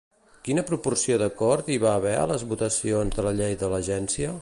Quina proporció d'acord hi va haver en les votacions de la Llei de l'agència?